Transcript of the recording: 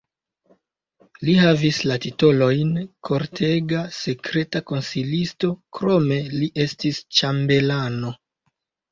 Li havis la titolojn kortega sekreta konsilisto, krome li estis ĉambelano.